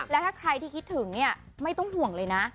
แล้วถ้าใครที่คิดถึงเนี่ยไม่ต้องห่วงเลยนะ